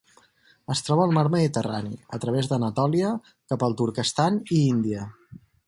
Es troba al Mar Mediterrani, a través d'Anatolia cap al Turkestan i India.